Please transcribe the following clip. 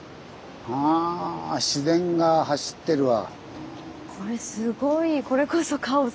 あ市電が走ってるわ。